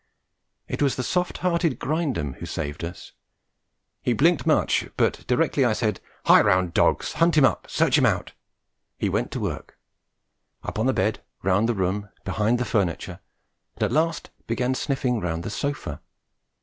It was the soft hearted Grindum who saved us; he blinked much, but directly I said, "Hie round, dogs! Hunt him up! Search him out!" he went to work up on the bed, round the room, behind the furniture, and at last began sniffing round the sofa.